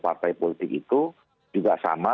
partai politik itu juga sama